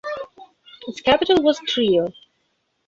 Its capital was Trier.